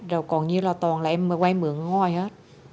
rồi còn như là toàn là em vay mượn ngôi hết